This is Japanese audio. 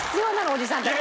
おじさんたち。